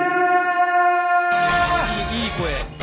いい声。